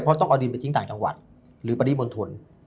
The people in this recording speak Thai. เพราะต้องเอาดินไปทิ้งต่างจังหวัดหรือประดิษฐ์บนทุน